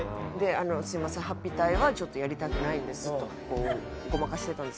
「すみません法被隊はちょっとやりたくないんです」とごまかしてたんですけど。